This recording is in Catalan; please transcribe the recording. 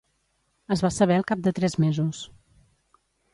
Es va saber al cap de tres mesos.